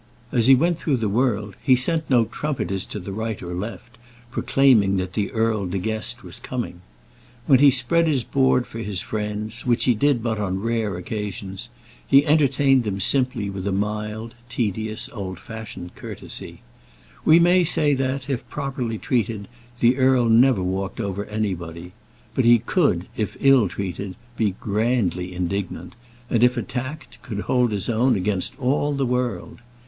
As he went through the world he sent no trumpeters to the right or left, proclaiming that the Earl De Guest was coming. When he spread his board for his friends, which he did but on rare occasions, he entertained them simply, with a mild, tedious, old fashioned courtesy. We may say that, if properly treated, the earl never walked over anybody. But he could, if ill treated, be grandly indignant; and if attacked, could hold his own against all the world.